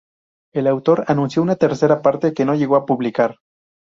El autor anunció una tercera parte, que no llegó a publicar.